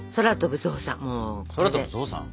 「空飛ぶゾウさん」